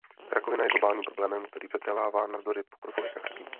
Rakovina je globálním problémem, který přetrvává navzdory pokroku lékařství.